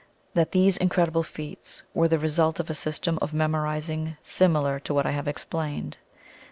That these incredible feats were the result of a system of memorizing similar to what I have explained.